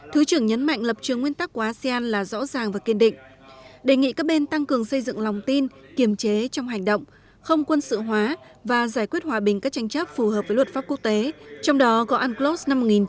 thứ trưởng nhấn mạnh lập trường nguyên tắc của asean là rõ ràng và kiên định đề nghị các bên tăng cường xây dựng lòng tin kiềm chế trong hành động không quân sự hóa và giải quyết hòa bình các tranh chấp phù hợp với luật pháp quốc tế trong đó có unclos một nghìn chín trăm tám mươi hai